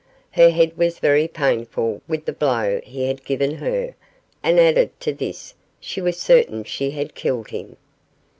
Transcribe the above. Her head was very painful with the blow he had given her, and added to this she was certain she had killed him.